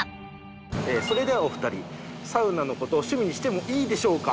それではお二人サウナの事を趣味にしてもいいでしょうか？